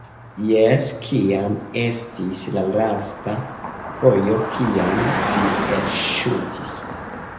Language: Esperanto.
- Jes kiam estis la lasta fojo kiam vi elŝutis?